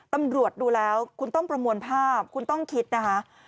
ตำรวจดูแล้วคุณต้องประมวลภาพคุณต้องคิดนะคะ